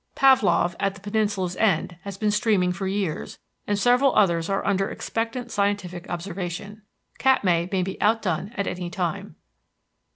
Pavlof, at the peninsula's end, has been steaming for years, and several others are under expectant scientific observation. Katmai may be outdone at any time.